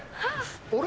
あれ？